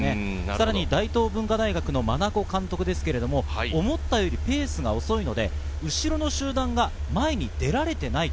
さらに大東文化大学の真名子監督、思ったよりペースが遅いので、後ろの集団が前に出られていない。